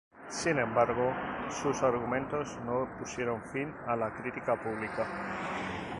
Sin embargo, sus comentarios no pusieron fin a la crítica pública.